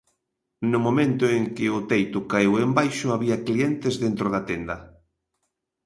No momento en que o teito caeu embaixo, había clientes dentro da tenda.